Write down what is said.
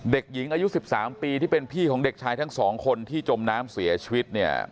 เด็กหญิงอายุ๑๓ปีที่เป็นพี่ของเด็กชายทั้งสองคนที่จมน้ำเสียชีวิตเนี่ย